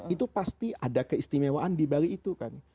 itu pasti ada keistimewaan di balik itu kan